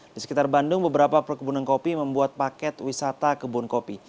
di sekitar bandung beberapa perkebunan kopi membuat paket wisata kebun kopi